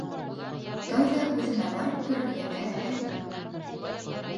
Тәүҙә үҙенә барып күрергә кәрәк әле.